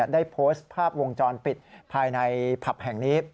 ได้โพสต์ภาพวงจรปิดภายในผับแห่งนี้